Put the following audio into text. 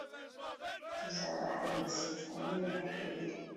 … tuzabaha amasezerano y’imyaka ibiri